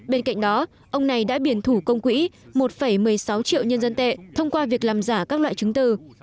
bên cạnh đó ông này đã biển thủ công quỹ một một mươi sáu triệu nhân dân tệ thông qua việc làm giả các loại chứng từ